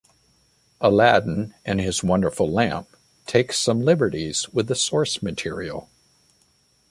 "Aladdin and His Wonderful Lamp" takes some liberties with the source material.